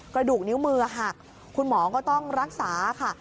กระดูกนิ้วมือหักคุณหมอก็ต้องรักษาค่ะ